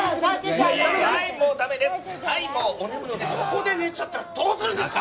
ここで寝ちゃったらどうするんですか！